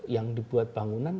yang dibuat bangunan